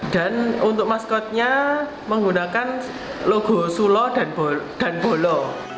dan untuk maskotnya menggunakan logo sulo dan polo